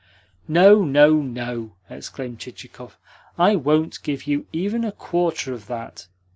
"No, no, no!" exclaimed Chichikov. "I won't give you even a QUARTER of that.